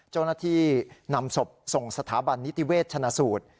เจ้าหน้าที่นำศพส่งสถาบันนิติเวชชนะสูตร